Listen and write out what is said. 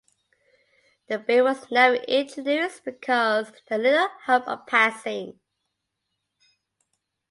The bill was never introduced because it had little hope of passing.